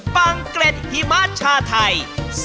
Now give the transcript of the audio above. ฟังเกร็ดหิมะชาไทย